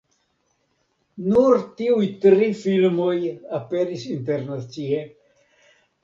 Nur tiuj tri filmoj aperis internacie.